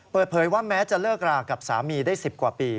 เปิดเผยว่าแม้จะเลิกรากับสามีได้๑๐กว่าปี